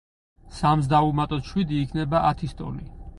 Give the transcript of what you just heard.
სამს დავუმატოთ შვიდი იქნება ათის ტოლი.